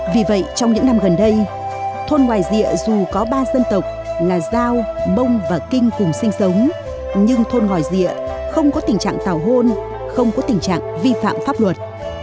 vì vậy trong những năm gần đây thôn ngoài dịa dù có ba dân tộc là giao mông và kinh cùng sinh sống nhưng thôn ngòi dịa không có tình trạng tào hôn không có tình trạng vi phạm pháp luật